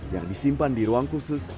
yang disimpan di ruang khusus